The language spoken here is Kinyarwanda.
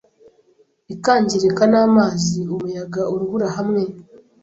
ikangirika n'amazi umuyaga urubura hamwe